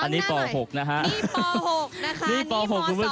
นี่ป๖นะคะนี่ป๒คุณผู้ชม